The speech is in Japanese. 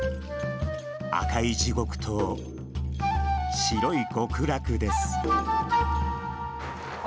赤い地獄と白い極楽です。